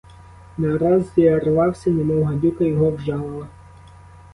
Нараз зірвався, немов гадюка його вжалила.